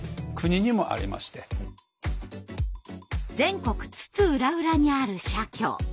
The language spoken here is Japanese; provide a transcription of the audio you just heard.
全国津々浦々にある社協。